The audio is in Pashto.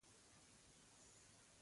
پخوانۍ پېښې یې چا تصور نه شو کولای.